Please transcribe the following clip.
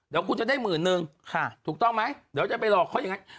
เดี๋ยวคุณจะได้หมื่นนึงถูกต้องไหมเดี๋ยวจะไปหลอกเขาอย่างนั้น